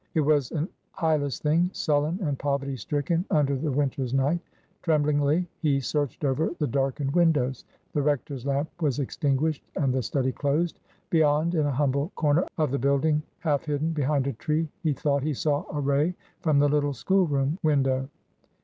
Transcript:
It was an eye less thing, sullen and poverty stricken, under the winter's night Tremblingly he searched over the darkened windows. The rector's lamp was extinguished and the study closed. Beyond, in a humble corner of the build ing, half hidden behind a tree, he thought he saw a ray from the little school room window.